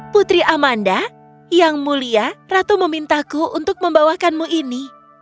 putri amanda yang mulia ratu memintaku untuk membawakanmu ini